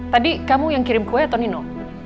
tadi kamu yang kirim kue atau nino